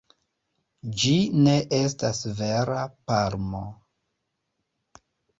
Ĝi ne estas vera palmo.